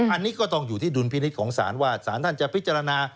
อันนี้ก็ต้องอยู่ที่ดุลพินิษฐ์ของศาลว่าสารท่านจะพิจารณา